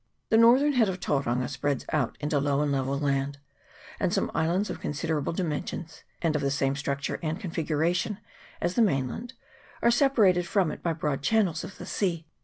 The northern head of Tauranga spreads out into low and level land ; and some islands of considerable dimensions, and of the same structure and configuration as the mainland, are separated from it by broad channels of the sea.